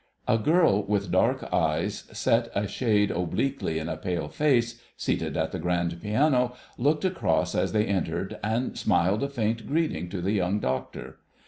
A girl with dark eyes set a shade obliquely in a pale face, seated at the grand piano, looked across as they entered and smiled a faint greeting to the Young Doctor.